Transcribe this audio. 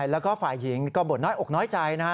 แล้วก็ฝ่ายหญิงก็บ่นน้อยอกน้อยใจนะฮะ